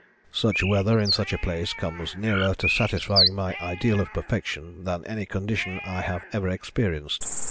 "Such weather in such a place comes nearer to satisfying my ideal of perfection than any condition I have ever experienced.